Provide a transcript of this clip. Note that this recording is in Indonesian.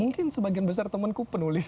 mungkin sebagian besar temenku penulis